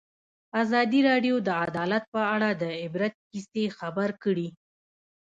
ازادي راډیو د عدالت په اړه د عبرت کیسې خبر کړي.